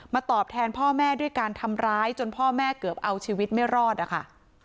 ตอบแทนพ่อแม่ด้วยการทำร้ายจนพ่อแม่เกือบเอาชีวิตไม่รอดอะค่ะ